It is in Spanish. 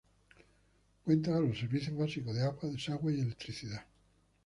Cuenta con los servicios básicos de agua, desagüe y electricidad.